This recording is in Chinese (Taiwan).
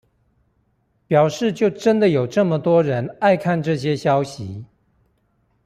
表示就真的有這麼多人愛看這些消息